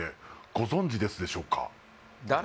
「ご存じですでしょうか？」